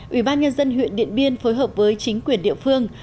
ủy ban nhân dân huyện điện biên phối hợp với chính quyền địa phương